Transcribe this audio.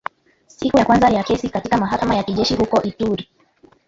Siku ya kwanza ya kesi katika mahakama ya kijeshi huko Ituri